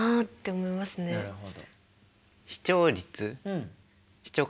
なるほど。